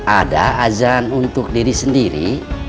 ada azan untuk diri sendiri